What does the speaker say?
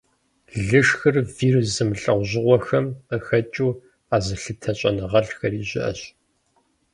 Лышхыр вирус зэмылӀэужьыгъуэхэм къыхэкӀыу къэзылъытэ щӀэныгъэлӀхэри щыӀэщ.